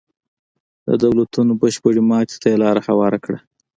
د دولتونو بشپړې ماتې ته یې لار هواره کړه.